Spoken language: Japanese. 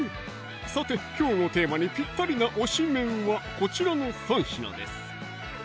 さてきょうのテーマにぴったりな推し麺はこちらの３品です